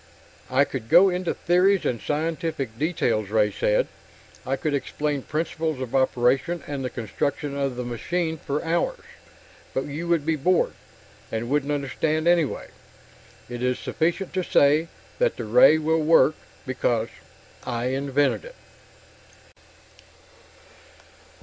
"I could go into theories and scientific details," Ray said; "I could explain principles of operation and the construction of the machine for hours. But you would be bored, and wouldn't understand anyway. It is sufficient to say that the Ray will work because I invented it!"